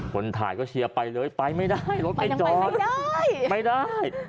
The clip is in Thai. คนถ่ายก็เชียร์ไปเลยไปไม่ได้รถไม่จอดไม่ได้